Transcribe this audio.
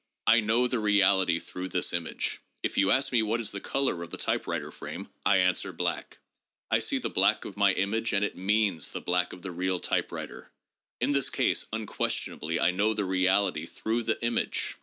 I know the reality through this image. If you ask me what is the color of the typewriter frame, I answer, ' Black.' I see the 280 THE PHILOSOPHICAL REVIEW. [Vol. XVI. black of my image and it means the black of the real typewriter. In this case, unquestionably, I know the reality through the image.